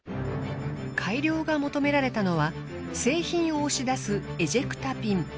改良が求められたのは製品を押し出すエジェクタピン。